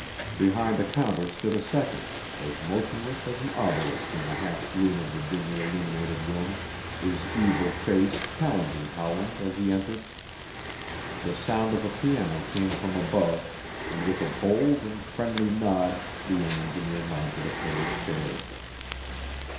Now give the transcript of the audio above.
Behind a counter stood a second, as motionless as an obelisk in the half gloom of the dimly illuminated room, his evil face challenging Howland as he entered. The sound of a piano came from above and with a bold and friendly nod the young engineer mounted a pair of stairs.